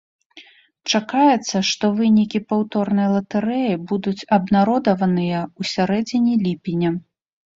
Чакаецца, што вынікі паўторнай латэрэі будуць абнародаваныя ў сярэдзіне ліпеня.